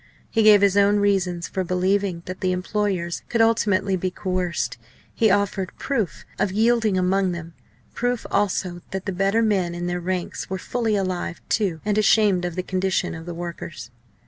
He gave his own reasons for believing that the employers could ultimately be coerced, he offered proof of yielding among them, proof also that the better men in their ranks were fully alive to and ashamed of the condition of the workers.